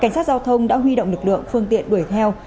cảnh sát giao thông đã huy động lực lượng phương tiện đuổi theo